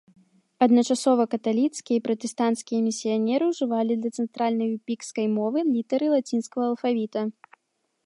Адначасова каталіцкія і пратэстанцкія місіянеры ўжывалі для цэнтральна-юпікскай мовы літары лацінскага алфавіта.